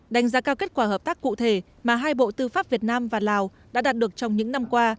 đánh giá cao kết quả hợp tác cụ thể mà hai bộ tư pháp việt nam và lào đã đạt được trong những năm qua